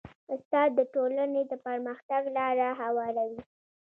استاد د ټولنې د پرمختګ لاره هواروي.